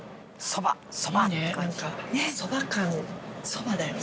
そば感そばだよね。